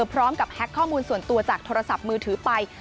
พร้อมกับแฮ็กข้อมูลส่วนตัวจากโทรศัพท์มือถือไป